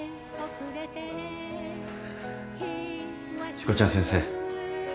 しこちゃん先生。